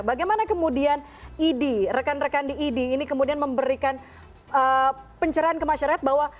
bagaimana kemudian idi rekan rekan di idi ini kemudian memberikan pencerahan ke masyarakat bahwa